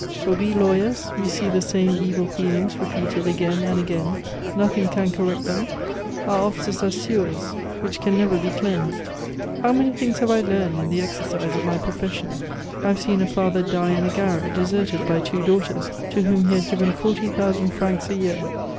But we lawyers, we see the same evil feelings repeated again and again, nothing can correct them; our offices are sewers which can never be cleansed. "How many things have I learned in the exercise of my profession! I have seen a father die in a garret, deserted by two daughters, to whom he had given forty thousand francs a year!